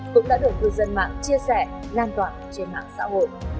cũng đã được thư dân mạng chia sẻ lan toàn trên mạng xã hội